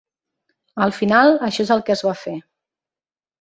Al final, això és el que es va fer.